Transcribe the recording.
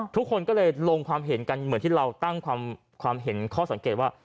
ทุกคนก็เลยลงความเห็นกันเหมือนที่เราตั้งความเห็นข้อสังเกตว่า